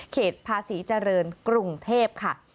ภาษีเจริญกรุงเทพค่ะ